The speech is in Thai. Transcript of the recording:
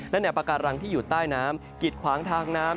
และแนวปาการังที่อยู่ใต้น้ำกิดขวางทางน้ำ